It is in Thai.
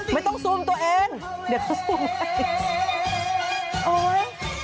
ไม่ต้องซูมตัวเองเดี๋ยวเขาซูมให้